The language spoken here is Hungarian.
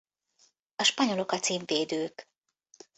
A spanyolok a címvédők.